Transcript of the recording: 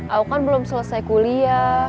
aku kan belum selesai kuliah